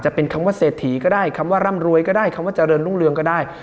จะเป็นคำว่าเศรษฐีก็ได้คำว่าร่ำรวยก็ได้คำว่าเจริญรุ่งเรืองก็ได้